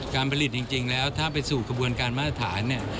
การผลิตจริงแล้วถ้าไปสู่กระบวนการมาตรฐานเนี่ย